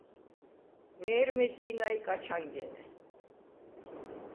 მე̄რმე დი̄ნაჲ კაჩ ანგენე.